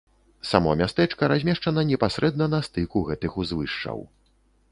Само мястэчка размешчана непасрэдна на стыку гэтых узвышшаў.